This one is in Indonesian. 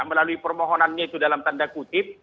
melalui permohonannya itu dalam tanda kutip